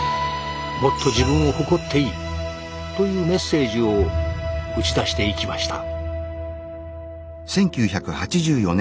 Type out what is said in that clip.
「もっと自分を誇っていい」というメッセージを打ち出していきました。